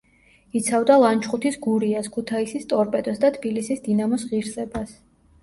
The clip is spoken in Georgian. იცავდა ლანჩხუთის „გურიას“, ქუთაისის „ტორპედოს“ და თბილისის „დინამოს“ ღირსებას.